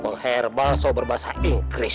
kok herbal so berbahasa inggris